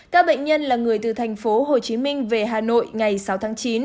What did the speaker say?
các bệnh nhân là người từ thành phố hồ chí minh về hà nội ngày sáu tháng chín